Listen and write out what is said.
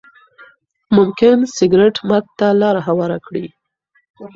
ممکن سګریټ مرګ ته لاره هواره کړي.